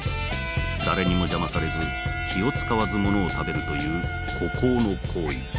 誰にも邪魔されず気を遣わずものを食べるという孤高の行為。